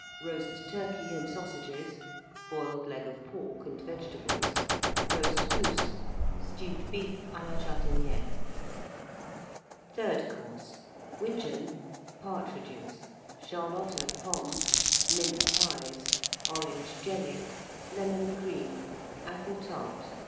Roast Turkey and Sausages. Boiled Leg of Pork and Vegetables. Roast Goose. Stewed Beef à la Jardinière. THIRD COURSE. Widgeon. Partridges. Charlotte aux Pommes. Mince Pies. Orange Jelly. Lemon Cream. Apple Tart.